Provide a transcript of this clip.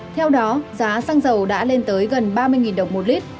theo đó giá xăng dầu đã lên tới gần ba mươi đồng một lít